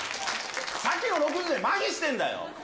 さっきの６０でまひしてんだよ。